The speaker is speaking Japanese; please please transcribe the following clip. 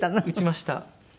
打ちました。